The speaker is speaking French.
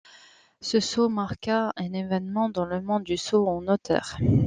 Ce saut marqua un avènement dans le monde du saut en hauteur.